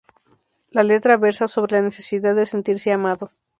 La letra versa sobre la necesidad de sentirse amado.